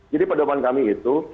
jadi pedoman kami itu